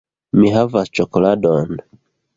"Mi havas ĉokoladon!"